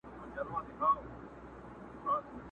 زه به درځم چي نه سپوږمۍ وي نه غمازي سترګي؛